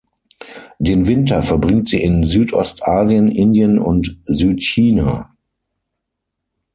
Den Winter verbringt sie in Südostasien, Indien und Südchina.